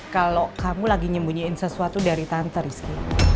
kalau kamu lagi nyembunyiin sesuatu dari tante rizky